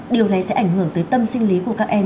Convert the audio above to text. điều này sẽ ảnh hưởng tới tâm sinh lý của các em